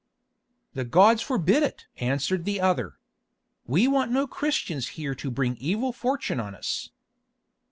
"The gods forbid it!" answered the other. "We want no Christians here to bring evil fortune on us."